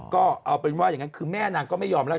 ก็เอาเป็นว่าแม่นางก็ไม่ยอมแล้ว